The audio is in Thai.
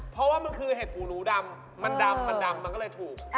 เพราะว่ามันคือเห็ดหูหนูดำมันดำมันดำมันก็เลยถูก